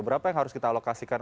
berapa yang harus kita alokasikan